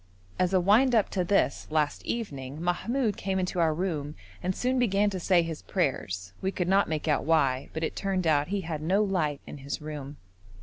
As a wind up to this last evening Mahmoud came into our room and soon began to say his prayers; we could not make out why, but it turned out he had no light in his room.